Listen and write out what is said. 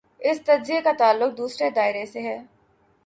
اس تجزیے کا تعلق دوسرے دائرے سے ہے۔